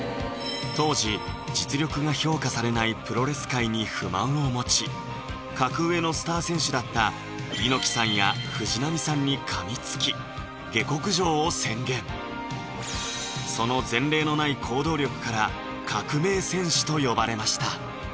当時実力が評価されないプロレス界に不満を持ち格上のスター選手だった猪木さんや藤波さんに噛みつき下克上を宣言その前例のない行動力から革命戦士と呼ばれました